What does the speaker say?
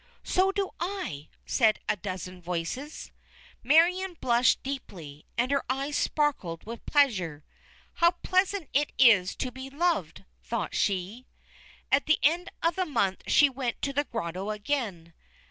"So do I!" said a dozen voices. Marion blushed deeply, and her eyes sparkled with pleasure. "How pleasant it is to be loved!" thought she. At the end of the month she went to the grotto again.